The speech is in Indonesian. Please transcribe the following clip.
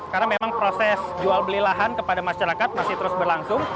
karena memang proses jual beli lahan kepada masyarakat masih terus berlangsung